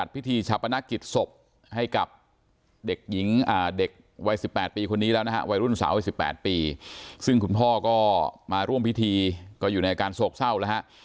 ๑๘ปีคนนี้แล้วนะฮะวัยรุ่นสาว๑๘ปีซึ่งคุณพ่อก็มาร่วมพิธีก็อยู่ในการโศกเศร้านะฮะ